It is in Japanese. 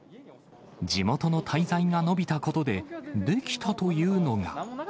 地元の滞在が延びたことで、できたというのが。